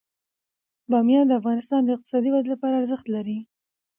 بامیان د افغانستان د اقتصادي ودې لپاره ارزښت لري.